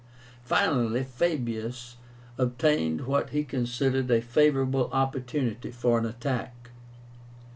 Finally, Fabius obtained what he considered a favorable opportunity for an attack.